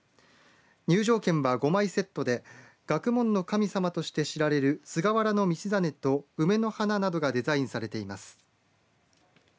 入場券は５枚セットで学問の神様として知られる菅原道真と梅の花などがデザインされています。